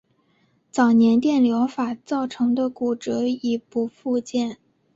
早年电疗法造成的骨折已不复见。